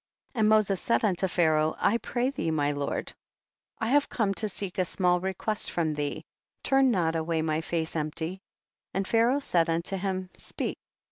43. And Moses said unto Pha raoh, I pray thee my lord, I have come to seek a small request from thee, turn not away my face empty ; and Pharaoh said unto him, speak.